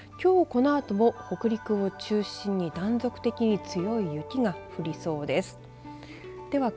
きょうこのあとも北陸を中心に断続的に強い雪が降りそうです。